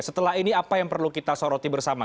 setelah ini apa yang perlu kita soroti bersama